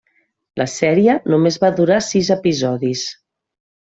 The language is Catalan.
La sèrie només va durar sis episodis.